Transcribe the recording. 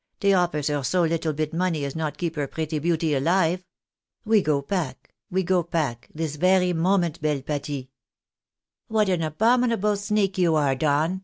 Dey ofiers her so little bit money as not keep her pretty beauty aUve. We go pack, we go pack, this very moment, belle Pati." " What an abominable sneak you are, Don